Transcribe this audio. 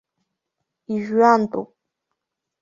Ижәҩантәуп.